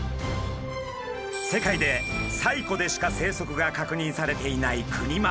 世界で西湖でしか生息が確認されていないクニマス。